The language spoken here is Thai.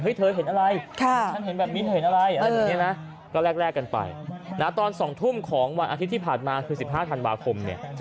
เฮ้ยเธอเห็นอะไรก็แลกแรกกันไปณตอน๒ทุ่มของวันอาทิตย์ที่ผ่านมาคือ๑๕ธันวาคมเนี่ย